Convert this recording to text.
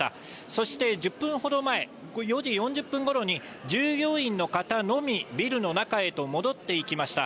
そして、１０分ほど前、４時４０分ごろに、従業員の方のみ、ビルの中へと戻っていきました。